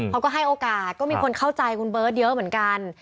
เขาก็ให้โอกาสก็มีคนเข้าใจคุณเบิร์ตเยอะเหมือนกัน